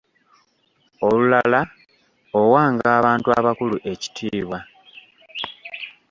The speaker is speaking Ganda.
Olulala owanga abantu abakulu ekitiibwa.